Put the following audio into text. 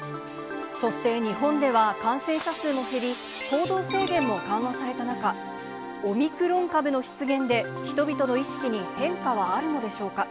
そして日本では、感染者数も減り、行動制限も緩和された中、オミクロン株の出現で人々の意識に変化はあるのでしょうか。